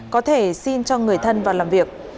có thể xin cho người thân vào làm việc